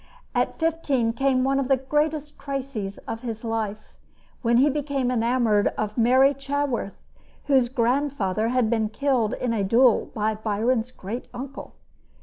At fifteen came one of the greatest crises of his life, when he became enamored of Mary Chaworth, whose grand father had been killed in a duel by Byron's great uncle.